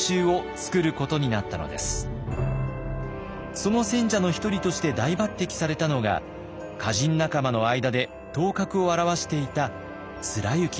その選者の一人として大抜擢されたのが歌人仲間の間で頭角を現していた貫之でした。